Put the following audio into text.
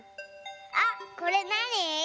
あこれなに？